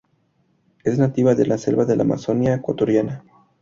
Es nativa de la selva de la amazonia ecuatoriana.